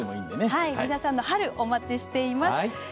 皆さんの春、お待ちしています。